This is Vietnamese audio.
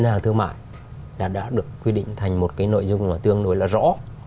ngân hàng thương mại đã được quy định thành một cái nội dung tương đối là rõ